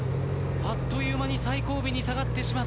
あっという間に最後尾に下がってしまった。